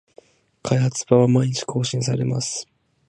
開発版は毎日更新されます